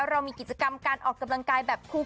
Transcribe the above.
เรามีกิจกรรมการออกกำลังกายแบบคุม